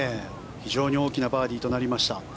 非常に大きなバーディーとなりました。